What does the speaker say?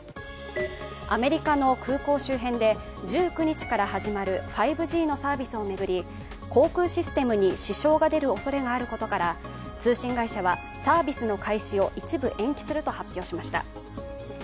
アメリカの空港周辺で１９日から始まる５Ｇのサービスを巡り航空システムに支障が出るおそれがあることから、通信会社はサービスの開始を一部延期すると発表しました。